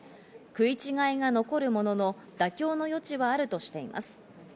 食い違いが残るものの、妥協の余地はあるとしています。